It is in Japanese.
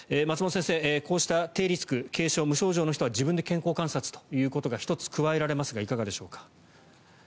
松本先生、こうした低リスク軽症・無症状の人は自分で健康観察というのが１つ加えられますがいかがでしょうか？